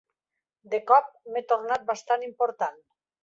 De cop, m'he tornat bastant important.